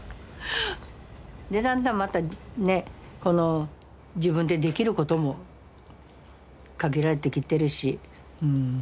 でだんだんまたね自分でできることも限られてきてるし。